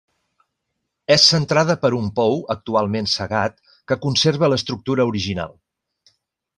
És centrada per un pou, actualment cegat, que conserva l'estructura original.